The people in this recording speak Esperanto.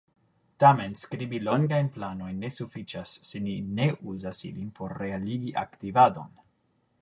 Tamen, skribi longajn planojn ne sufiĉas se ni ne uzas ilin por realigi aktivadon.